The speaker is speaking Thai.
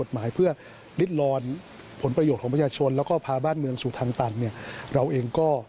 หรืออะไรยังไงลองฟังคุณวิโรธหน่อยนะครับ